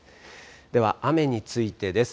では雨についてです。